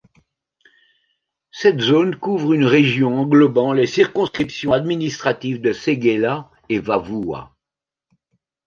Cette zone couvre une région englobant les circonscriptions administratives de Séguéla et Vavoua.